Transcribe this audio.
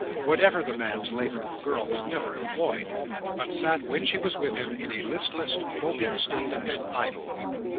Whatever the man's labour, the girl was never employed; but sat, when she was with him, in a listless, moping state, and idle.